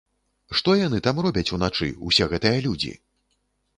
Што яны там робяць уначы, усе гэтыя людзі?!